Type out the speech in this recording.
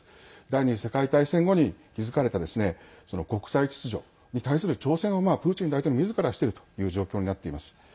第２次世界大戦後に築かれた国際秩序に対する挑戦をプーチン大統領みずからしているという状況になっています。